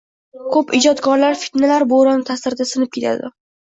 Ko‘p ijodkorlar fitnalar bo‘roni ta’sirida sinib ketadi.